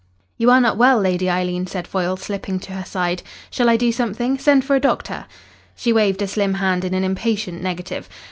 "You are not well, Lady Eileen," said Foyle, slipping to her side. "Shall I do something? send for a doctor?" She waved a slim hand in an impatient negative.